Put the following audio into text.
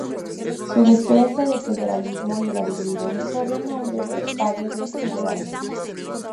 Su defensa del federalismo le valió el sobrenombre de "Padre del Federalismo".